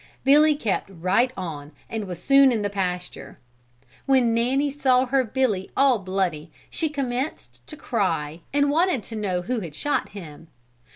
Billy kept right on and was soon in the pasture. When Nanny saw her Billy all bloody she commenced to cry and wanted to know who had shot him.